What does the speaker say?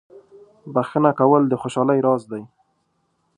• بخښنه کول د خوشحالۍ راز دی.